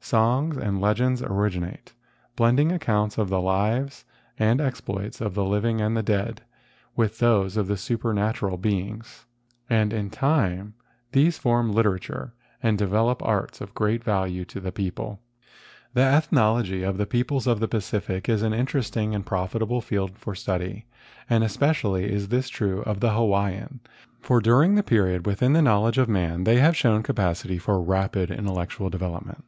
Songs and legends originate, blending accounts of the lives and exploits of the living and dead with those of the supernatural beings, and in time these form literature and develop arts of great value to the people. VI FOREWORD The ethnology of the peoples of the Pacific is an interesting and profitable field for study, and especially is this true of the Hawaiian®, for dur¬ ing the period within the knowledge of man they have shown capacity for rapid intellectual de¬ velopment.